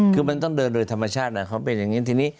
คือมันต้องเดินโดยธรรมชาติเขาเป็นอย่างนี้ทีนี้